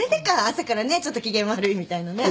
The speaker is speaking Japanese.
朝からねちょっと機嫌悪いみたいなね。